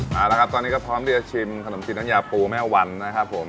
เอาละครับตอนนี้ก็พร้อมที่จะชิมขนมจีนน้ำยาปูแม่วันนะครับผม